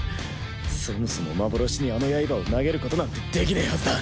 そもそも幻にあの刃を投げることなんてできねえはずだ。